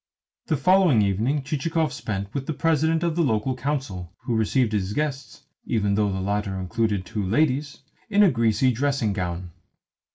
The following evening Chichikov spent with the President of the Local Council, who received his guests even though the latter included two ladies in a greasy dressing gown.